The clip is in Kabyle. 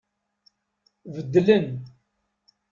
Beddlen.